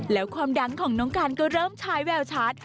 แล้วความดังของน้องการก็เริ่มใช้แววชัด